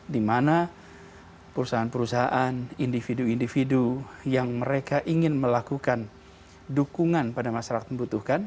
di mana perusahaan perusahaan individu individu yang mereka ingin melakukan dukungan pada masyarakat membutuhkan